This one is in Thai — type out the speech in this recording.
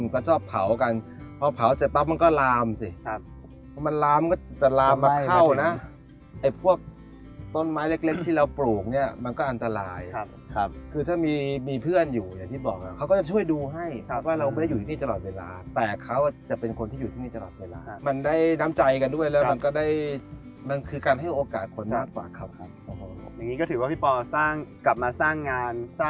ครับมันล้ำก็จะล้ำมาเข้านะไอ้พวกต้นไม้เล็กที่เราปลูกเนี่ยมันก็อันตรายครับคือถ้ามีเพื่อนอยู่อย่างที่บอกนะเขาก็จะช่วยดูให้ครับว่าเราไม่ได้อยู่ที่นี่ตลอดเวลาแต่เขาจะเป็นคนที่อยู่ที่นี่ตลอดเวลามันได้น้ำใจกันด้วยแล้วมันก็ได้มันคือการให้โอกาสคนมากกว่าครับค่ะอย่างนี้ก็ถือว่าพี่พอสร้างกลับมาสร้